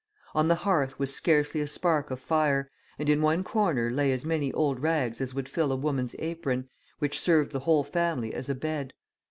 On the hearth was scarcely a spark of fire, and in one corner lay as many old rags as would fill a woman's apron, which served the whole family as a bed.